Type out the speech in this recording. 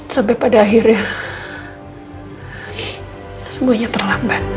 sampai pada akhirnya semuanya terlambat